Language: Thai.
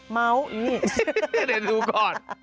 เดี๋ยวดูก่อน